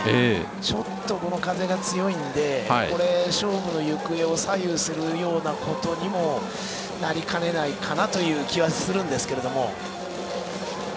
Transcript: ちょっとこの風が強いので勝負の行方を左右するようなことにもなりかねないかなという気はするんですけれども。